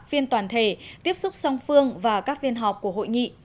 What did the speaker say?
phiên toàn thể tiếp xúc song phương và các phiên họp của hội nghị